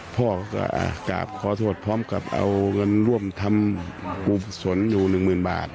พ่อก็กะกาบขอโทษพร้อมกับเอาการร่วมทำกรูภาพสนอยู่๑๐๐๐๐บาท